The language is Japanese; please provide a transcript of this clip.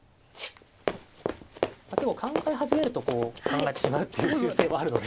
考え始めるとこう考えてしまうっていう習性はあるので。